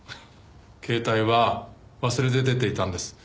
携帯は忘れて出ていたんです。